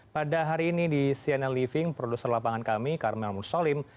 pada hari ini di cnn living produser lapangan kami karmel mursalim